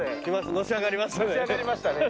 のし上がりましたね。